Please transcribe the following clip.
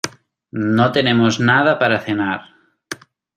No tenemos nada para cenar.